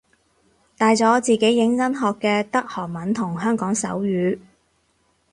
大咗自己認真學嘅得韓文同香港手語